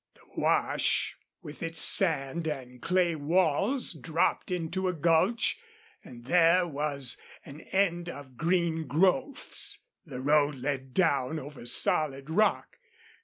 The wash, with its sand and clay walls, dropped into a gulch, and there was an end of green growths. The road led down over solid rock.